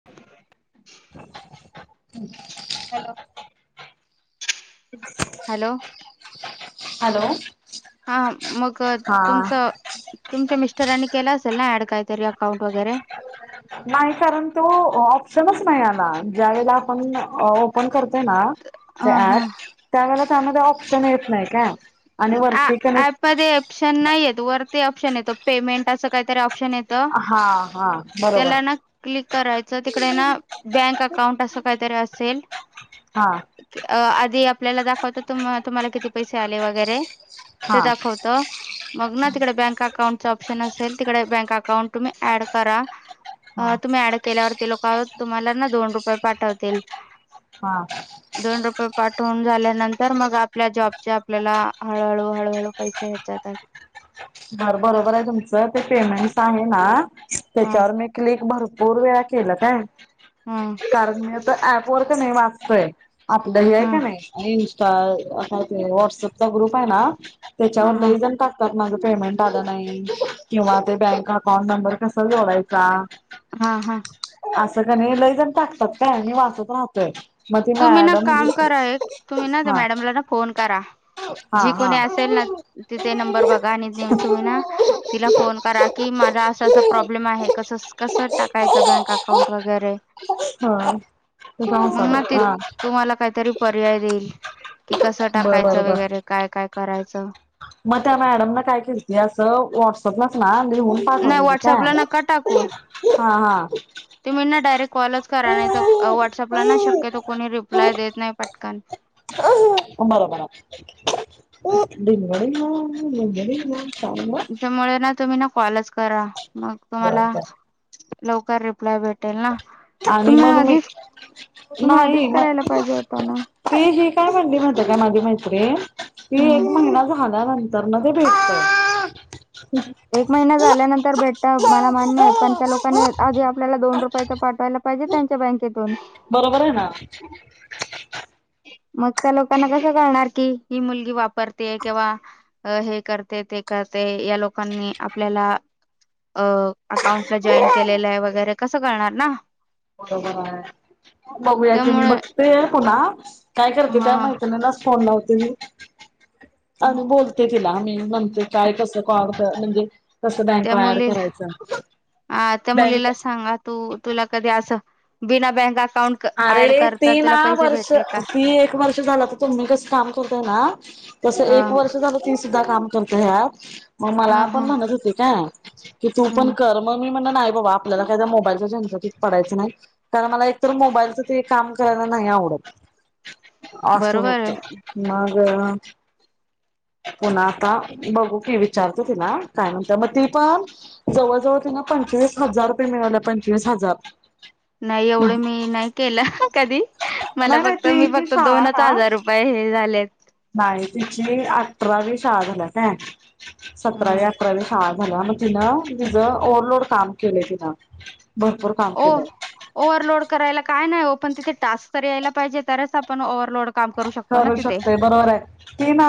[unintelligible] हम्मं hello hello hello हां मंग हा तुमचं तुमच्यां मिस्टरांनी केलं असेल नां ऍड कांहीतरी अकाउंट वगैरें नाही कारण तो, ऑप्शनच नाही आला, ज्या वेळेला आपण, ओपन करत ना. हा च्यात, हा त्यावेळेला त्यामध्ये ऑप्शन येत नाही का आणि आ वरती कने ऍपमध्ये ऑप्शन नाही येत, वरती ऑप्शन येत, पेमेंट असं काहीतरि ऑ शन येत, हा हा बरोबर त्याला ना क्लिक करायचं, तिकडे ना, बँक अकाउंट असं काहीतरी असेल. हां. अ आधी आपल्याला दाखवत, तम-तुम्हाला किती पैसे आले वगैरे, ते हा दाखव अ. मग ना तिकड बँक अकाउंटच ऑप्शन असेल, तिकडे बँक अकाउंट तुम्ही ऍड करा. अ हा तुम्ही ऍड केल्यावर, ती लोकं आहो, तुम्हाला ना दोन रुपये पाठवतील. हां. दोन रुपये पाठवून झाल्यानंतर, मग आपल्या जॉबचे आपल्याला हळहळू-हळूहळू, पैसे येत जातात. हर बरोबर य तुमचं, ते पेमेंट आहे ना, हा त्याच्यावर मी क्लिक भरपूर वेळा केलं काय, हा कारण मी त, ऍप वर क नाही वाचतय, आपलं हे य हा का नाही, आणि इनस्टा व्हॉट्सअपचा ग्रुप आहे ना, हा त्याच्यावर हा लई जन टाकतात ना गं. पेमेंट आलं नाही किंवा ते बँक अकाउंट नंबर, कसं जोडयचा? हां हां. असं का नही, लयजण टाकतात काय आणि वाचत राहतोय. मग ती तुम्ही ना मॅडम काम करा एक, तुम्ही ना त्या हा मॅडमला ना, फोन करा. हा जी हा कोणी असेल ना, तिथे नंबर बघा आणि तुम्ही ना तिला फोन करा, की मला असं -असं प्रॉब्लेम आहे, कस- कसं टाकायचं, बँक अकाउंट वगैरे? हं, ते काय मग ना ते चाल तुम्हाला काहीतरी पर्याय देईल, कि कसं टाकायचं वगैरे, काय- काय करायचं? म त्या मॅडम न, काय केलती असं ब [unintelligible] नाही व्हॉट्सअपला नका टाकू [unintelligible] हां हां [unintelligible] तुम्ही ना, डायरेक्ट कॉलच करा, नाही तर व्हॉटसअपला ना शक्यतो, कोणी रिप्लाय देत नाही पटकन.. अ म बरबर [unintelligible] त्याच्यामुळे ना, तुम्ही ना, कॉलच करा, मग बर तुम्हाला बर लवकर रिप्लाय भेट भेटल ना, आणि तुम्ही मग मी आधीच, तुम्ही नाही आधीच करायला मग पाहिजे होत ना. ती ही काय म्हणली, माहिती काय माझी मैत्रीन, ती एक हम्म. महिना झा नंतर ना ते भेटत. एक महिना झाल्यानंतर भेटत, मला मान्य ये, पण त्या लोकांनी आधी आपल्याला, दोन रुपये त पाठवायला पाहिजे, त्यांच्या बँकेतून. बरोबर ये ना. मग त्या लोकांना कसं कळणार की, ही मुलगी वापरतेये किंवा अ हे करते, ते करते, या लोकांनी आपल्याला अ अकाउंटला जॉईन केलेलं ये वगैरे, कसं कळणार ना? बरोबर हाय, बघूया की मी त्यामुळे बघतेय पुन्हा. काय करते, तोया हा मेत्री नीलाच फोन लावते मी. आणि बोलते तिलाी, अणि म्हणते काय कस? [unintelligible] म्हणजे कस बँक त्या ऍड मुलीला करायच, त्या बक मुलीला सांगा तू, तुला कधी अस, बिना बँका अरे ती ना वर्ष का ती एक वर्ष झालं तर तुमी कस काम करतोय ना. तस ह एक वर्ष झा. मी सुद्धा काम करत्या यात मला ह पण ह म्हणत होती कीय तो पण हम्म कर. मग मी म्हण नाही बाबा आपल्याला काय मोबाईलच्या झंझ्याट मध्ये पडायचं नाही कारण मला एक. तर मोबाईलच त काम करायला नाही आवडत असं होत. बरोबर मग. पुन्हा आता बघू की विचारतो तिला काय म्हणत्या मग ती पण जवळजवळ तुना पंचवीस हजार रुपये मिळाले पंचवीस हजार. नाही एवढं मी नाही केलं कधी मला नाही फक्त ती मी जी फक्त शाळा दोनच ना हजार रुपये. बाई हे झाल्यात. नाही तिची अकरावी शाळा झाल्या काय सतरावी हम्म अठराव्या. हा झाल्या तिच ति ओ्हलोड काम केले ति भरपूर. काम हो केलंय ओव्हरलोड करायला काय नाही ओ पण तिथे टास्क तर यायला पाहिजे तरच आपण ओव्हलोड. करू शकतोय बरोबर आहे. ते ना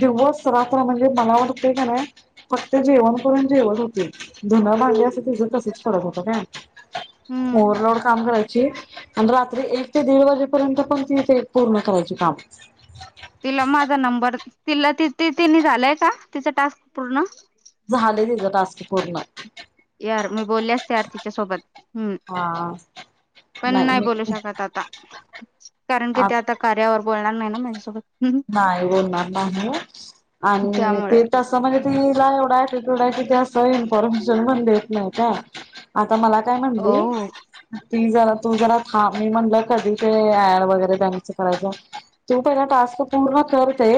दिवस रात्र म्हणजे मला वाटतते का नाही. फक्त जेवण करून जेवत होते धुणं भांडी असं तिझंतसंचं पडतं होत काय. हम्म ओवर्हलोड काम करायची आणि रात्री एक ते दीड वाजेपर्यंत पण तिथे. पूर्ण करायचे काम. तिला माझा नंबर तिला तीतीनी झालाय का तिचा टास्क पूर्ण. झालं तिज टास्क पूर्ण. यार मी बोलले आसते यार तिच्यासोबत हम्म. हा, पण नाही बोलू शकत आता कारण की ते आता. कार्यावर बोलणार नाही ना माझ्यासोबत. हम्म. नाही बोलणार नाही आणि त्यामुळे तीन तसा म्हणजे ती जा एवढा आहे. ते थोडं हाय का नाही असं इन्फॉर्मेशन पण देत नाही काय आता मला काय ओ म्हणली. ती जरा तू जरा थांब मी म्हणलं कधी ते याय वगैरे त्यांचं करायचं. तू पहिला टास्क पूर्ण करते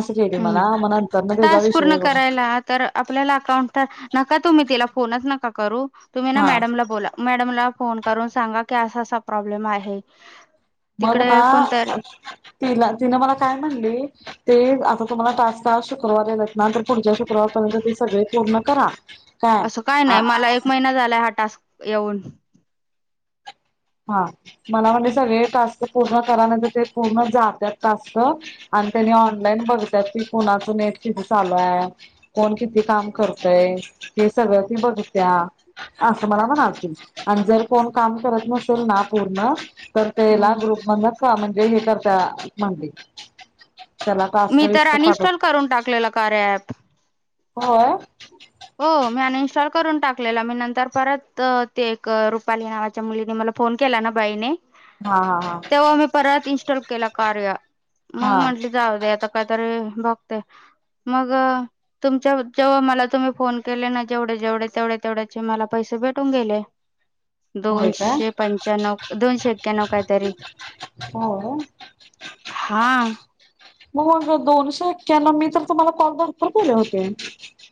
असं लिहिलंय हम्म. मला म नंतर ना तेचा टास्क विषय पूर्ण म्हण. करायला तर आपल्याला अकाउंटनं नका तुम्ही तिला फोनच नका करू तुम्ही ना हा मॅडमला बोला. मॅडमला फोन करून सांगा की असा असा प्रॉब्लेम आहे. बग तिकडे ना कोणतर तिला तीन मला काय सांगितली. तेचं आता तुम्हाला तास तास शुक्रवार याेत आहेत ना तर पुढच्या शुक्रवारपर्यंत ते सगळे पूर्ण करा. असं काय नाही मला एक महिना झालाय हा टास्क येऊन. हा मला म्हणेले सगळे टास्क पूर्ण करा ते पूर्ण जातात टास्क. आणि त्यांनी हम्म ऑनलाईन बघितात की कुणाचं नेट किथ चालू आहे. कोण किती काम करतय ते सगळं ती बघत्या. असं मला म्हणालती आणि जर कोण काम करत नसेल ना पूर्ण. तर ते ला हम्म ग्रुप मण म्हणजे हे करता म्हणली. त्याला टास्क मी तर लिस्ट पाठव अनइनस्टॉल करून टाकलेलं कार्य ऍप. होय. हो मी अनइन्स्टॉल करून टाकलेला मी नंतर परत ते एक रुपाली नावाच्या मुलीनी मला. फोन केला ना बाईने. हा हा हा, तेव्हा मी परत इनस्टॉल केला कार्य मग हा हा म्हणली जाऊदे आत्ता. कायतरी बघते मग तुमच्या जेव्हा मला तुम्ही. फोन केले ना जेवढे जेवढे, तेवढ्या तेवढ्याचे मला पैसे भेटून गेले. होय काय दोनशे पंच्याणव, दोनशे एक्क्याण्णव काय तरी. होय. हा. होय होय दोनशे एक्क्यानव, मी तर तुम्हाला कॉल भरपूर केले होते.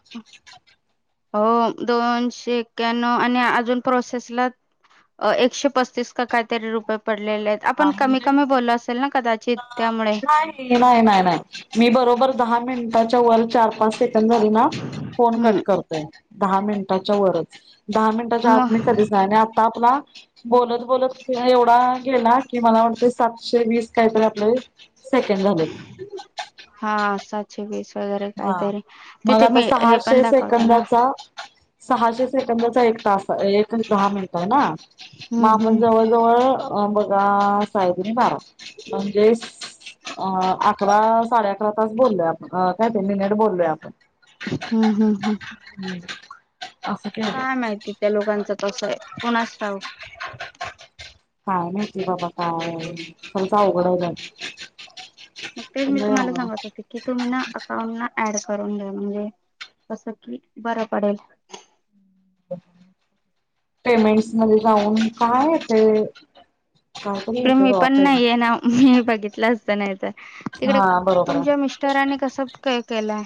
[unintelligible] हो दोनशे एक्याण्णव आणि अजून प्रोसेसला एकशे पस्तीस का कायतरी रुपय पडलेले आहेत. हा आपण कमी म्हणजे कमी बोललो असेल ना कदाचित त्यामुळे हे नाही नाही नाह्य, मी बरोबर दहा मिनिटाच्या वर चार पाच से कंद झाले ना, फोन हम्म कट करतोय दहा मिनटाच्या वरच, दहा मिनीटाच्या आत मी मग कधीच नाही आता आपला बोलत बोलत [unintelligible] एवढा गेला कि मला वाटतंय, सातशे वीस काहीतरी आपले सेकंड झालेत. हा सातशे वीस वगैरे हा काहीतरी, मग तिथे आता मी हे सहाशे पण दाखवता ना. सेकंदाचा सहाशे सेकंदचा एक तास हा एक दहा मिनट हाय ना, मग हम्म आपण हम्म जवळ जवळ बघा साहे दुनी बारा. म्हणजेच अ अकरा साडे अकरा तास बोललोय आपण अ काय ते मिनीट बोललोय आपण. हू हू हू. हम् [inaudible] काय माहिती त्या लोकांच, कसय कोणास ठावुक? काय माहीती बाबा? काय समजाय अवघड हाय मग तेच मी तुम्हाला सांगत होते. की तुम्ही ना, अकाउंट ना ऍड करून द्या म्हणजे कसं की बरं पडेल. पेमेंट्स मधे जाऊन काय आहे ते काय मी पण नाही ये ना. मी बघितलं असत, नाही तर तिकडे हा बरोबर आहे तुमच्या मिस्टरांनी कसं केलंय?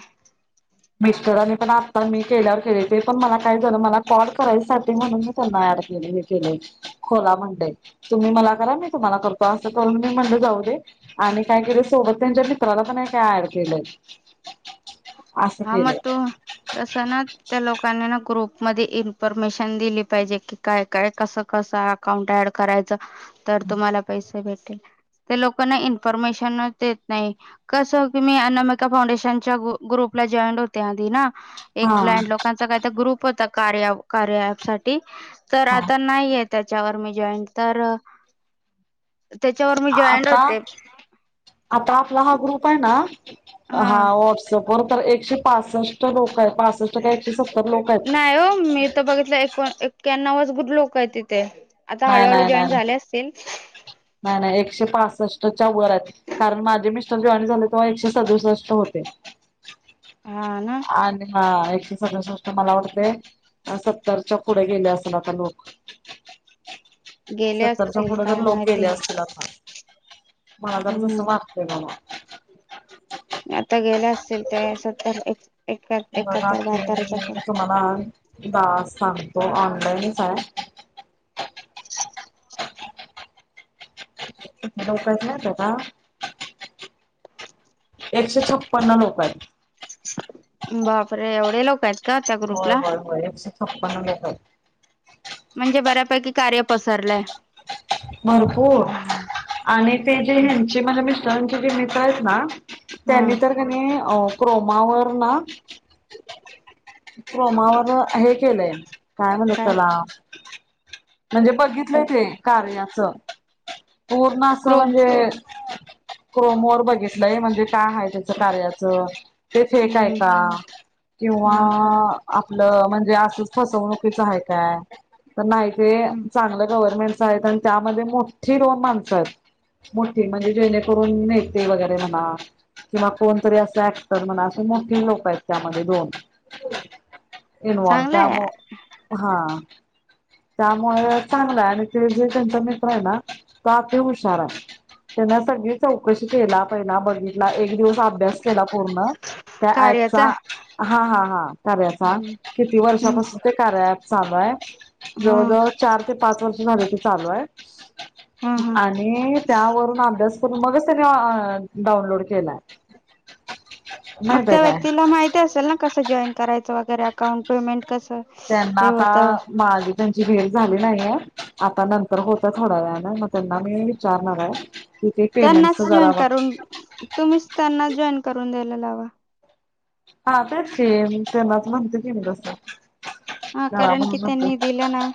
मिस्टरांनी पण आत्ता मी केल्यावर केलय, ते पण मला काय झालं, मला कॉल करायसाठी म्हणून मी त्यांना ॲड केलय. केलय, खोला म्हणतय तुम्ही मला करा, मी तुम्हाला करतो, असं करून मी म्हणलं जाऊ दे. आणि काय केलोय, सोबत त्यांच्या मित्राला पण एका ॲड केलं. हा म तो तस ना. त्या लोकांनी ना ग्रुपमध्ये इन्फरमेशन दिली पाहिजे, की काय काय कसं कसं अकाउंट ऍड करायच, तर तुम्हाला पैसे भेटेल. ते लोकांना इन्फॉरमेशनच देत नाही. कसं हो की मी अनामिका फाउंडेशनच्या ग्रू ग्रुपला जॉईंड होते आधी ना, एक हा ब्लाइंड लोक त्याचा काही तरी ग्रुप होता कार्य अँप साठी, तर हा आता नाहीये त्याच्यावर मी जॉईट तर त्याच्यावर मी जॉईंट आता होते आता आपला हा ग्रुप हाय ना, हा व्हॉट्स पवर तर एकशे पासष्ट लोक आहेत. पासष्ट का एकशे सत्तर लोक आहेत. त बघितलं एको एक्क्याणवच गुर लोक आहे तिथे. आता नाही हळूहळू नाही नाही जॉईन नाही झाले असतील नाही नाही एकशे पासस्टच्या वर आहेत. कारण माझे मिस्टर जॉईन झाले तेव्हा एकशे सदुसष्ट होते. हा ना? आणि हा एकशे सदूसष्ट मला वाटतय सत्तरच्या पुढे गेले होते आता लोक गेले सत्तरच्या असतील पुढे तर काय लोक गेले माहिती असतील आता माजर जस हम्म वाटतय मला आता गेले असतील ते सत्तरका एकाहत्तर बहाततरच्या पुळे हा दा सांगतो ऑनलाईनच आहे लोकचा स्वभाव एकशे छपन्न लोक आहेत बापरे एवढे लोक आहेत का त्या होय ग्रुपला होय होय एकशे छप्पन्न लोक आहेत म्हणजे बऱ्यापैकी कार्य पसरलंय भरपूर आणि ते जे हा ह्यांचे मला मिस्टरांचे जे मित्र आहेत ना त्यांनी तर कनी क्रोमावर ना कोमावर हे केलंय काय म्हणत त्याला म्हणजे बघितलंय ते कार्यच पूर्ण असं क्रोम म्हणजे क्रोमवर बघितलंय म्हणजे काय हा हाय त्याचे कार्याच ते फेक आहे हम्म का किंवा हा आपलं म्हणजे असंच फसवणुकीच आहे काय तर नाही ते चांगलं गव्हर्नमेंट कायदा त्यामध्ये मोठी दोन मागतात चा मोठी म्हणजे जेणेकरून नेते वगैरे म्हणा किंवा कोणतरी असं ऍक्टर म्हणा असे मोठीे लोक आहेत त्यामध्ये दोन इनवॉल चांगलाय त्यामो हा, त्यामुळे चांगलंय. आणि ते जे त्यांचा मित्रय ना. तो आती हुशार. हाय त्यांने सगळी चौकशी केला पहिला. बघितला. एक दिवस अभ्यास केला पूर्ण. त्या ऍपचा. कार्याचा हा हा हा कार्याचा हम्म किती हम्म वर्षापासून ते कार्यात चालूये. हा जवळजवळ चार ते पाच वर्ष झाले. ते चालूये. हा हा आणि त्यावरून अभ्यास करून, मगच त्याने अ डाउनलोड केलाय. मग माहित आहे त्या काय? व्यक्तीला माहिती असेल ना. कसं जॉईन करायचं वगैरे. अकाउंट पेमेंट कसं. त्यांना हे आता होतं मागित त्यांची भेट झाली नाहीये आता नंतर होत थोड्या वेळाने मग त्यांना मी विचारणार आहे कि ते पेमेंटच त्यांनाच जरा जॉईन बघ करून. तुम्हीच त्यांना जॉईन करून द्यायला लावा. हा तेच की. तेनाच म्हणते की मी तसं. हा करा कारण की म्हणून म्हणते त्यांनी दिला ना.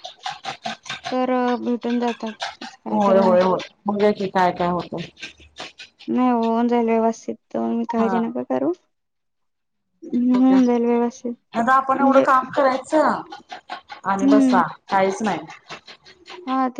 तर भेटून जातात. तसं होय काहीतरी आहे होय होय, बघुया की काय काय होत. नाही, होऊन जाईल व्यवस्थित. तुमी काळजी नका करू. बघुया होऊन जाईल व्यवस्थित अग आपण एवढं म्हणजे काम करायचं. आणि हम्म बसा काहीच नाही. हा ते.